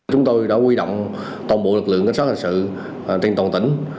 chúng tôi đã quy động toàn bộ lực lượng cảnh sát hành sự trên toàn tỉnh